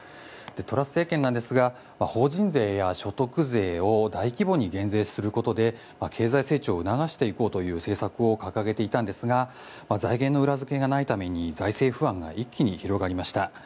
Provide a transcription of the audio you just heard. トラス政権なんですが法人税や所得税を大規模に減税することで経済成長を促していこうという政策を掲げていたんですが財源の裏付けがないために財政不安が一気に広がりました。